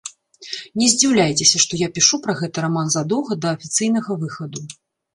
Не здзіўляйцеся, што я пішу пра гэты раман задоўга да афіцыйнага выхаду.